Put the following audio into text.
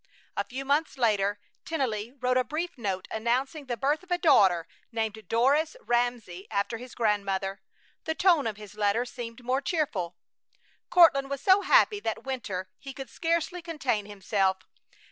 A few months later Tennelly wrote a brief note announcing the birth of a daughter, named Doris Ramsey after his grandmother. The tone of his letter seemed more cheerful. Courtland was so happy that winter he could scarcely contain himself.